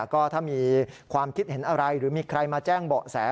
ก็ถ้ามีความคิดเห็นอะไรหรือมีใครมาแจ้งเบาะแส